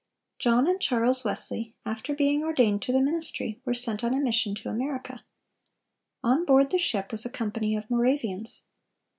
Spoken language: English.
John and Charles Wesley, after being ordained to the ministry, were sent on a mission to America. On board the ship was a company of Moravians.